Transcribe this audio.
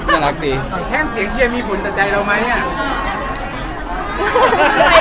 แท่มเสียงเชียร์มีผลตัดใจเราไหมอะ